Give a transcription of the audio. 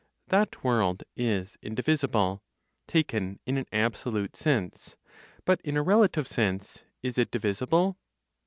That world is indivisible, taken in an absolute sense; but in a relative sense, is it divisible?